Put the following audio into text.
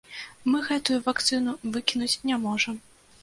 Мы гэтую вакцыну выкінуць не можам.